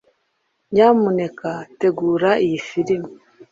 Nyamuneka tegura iyi firime